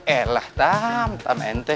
eh lah tam tam enteng